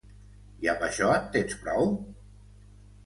I amb això en tens prou?